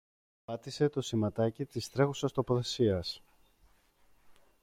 Πάτησε το σηματάκι της τρέχουσας τοποθεσίας